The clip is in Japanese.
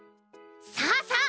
さあさあ